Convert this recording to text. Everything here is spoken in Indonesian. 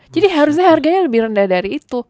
jadi harusnya harganya lebih rendah dari itu